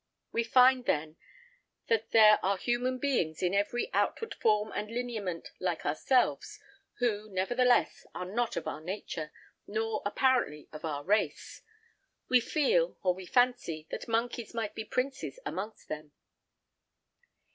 We find, then, that there are human beings in every outward form and lineament like ourselves, who, nevertheless, are not of our nature, nor, apparently, of our race; we feel, or we fancy, that monkeys might be princes amongst them.